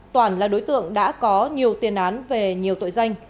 toản là đối tượng đã có nhiều tiền án về nhiều tội danh